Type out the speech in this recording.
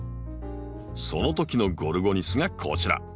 そのときのゴルゴニスがこちら。